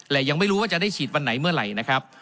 และยังไม่รู้ว่าจะได้ฉีดวันไหนเมื่อไหร่นะครับ